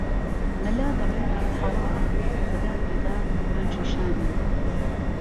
مهلا دهڵێ حهڵاڵه خودا بیدا رهنجی شانی